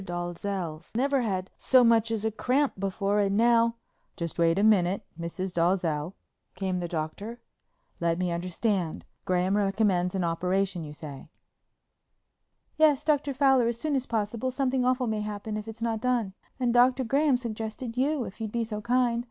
Dalzell's never had so much as a cramp before and now——" "Just wait a minute, Mrs. Dalzell," came the Doctor. "Let me understand. Graham recommends an operation, you say?" "Yes, Dr. Fowler, as soon as possible; something awful may happen if it's not done. And Dr. Graham suggested you if you'd be so kind.